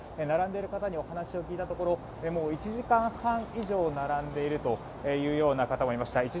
並んでいる方にお話を聞いたところ１時間半以上並んでいるという方もいました。